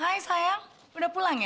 hai sayang udah pulang ya